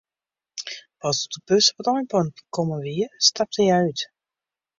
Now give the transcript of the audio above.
Pas doe't de bus op it einpunt kommen wie, stapte hja út.